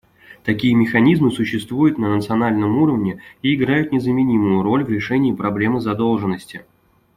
Такие механизмы существуют на национальном уровне и играют незаменимую роль в решении проблемы задолженности.